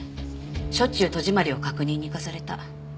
しょっちゅう戸締まりを確認に行かされた。